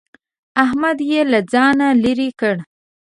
احمد يې له ځانه لرې کړ.